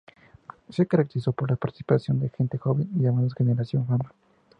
Se caracterizó por la participación de gente joven, llamados "Generación Fama".